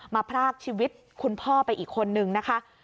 พรากชีวิตคุณพ่อไปอีกคนนึงนะคะ